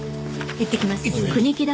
いってきます。